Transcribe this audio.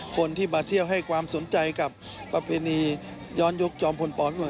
คนที่มาเที่ยวให้ความสนใจกับประเพณีย้อนยกจอมพลป